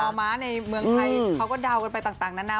ม้าในเมืองไทยเขาก็เดากันไปต่างนานา